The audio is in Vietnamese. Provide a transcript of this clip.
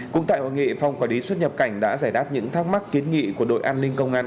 cũng tại hội nghị phòng quản lý xuất nhập cảnh đã giải đáp những thắc mắc kiến nghị của đội an ninh công an